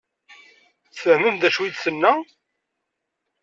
Tfehmemt d acu i d-tenna?